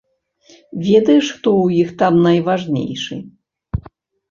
Ведаеш, хто ў іх там найважнейшы?